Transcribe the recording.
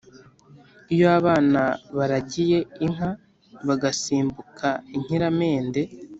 Iyo abana baragiye inka, Bagasimbuka inkiramende,